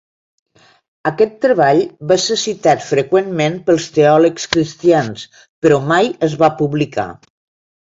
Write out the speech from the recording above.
Aquest treball va ser citat freqüentment pels teòlegs cristians, però mai es va publicar.